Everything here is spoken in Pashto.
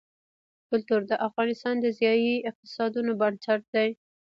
کلتور د افغانستان د ځایي اقتصادونو بنسټ دی.